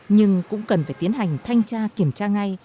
nhưng cũng cần phải tiến hành thanh tra kiểm tra ngay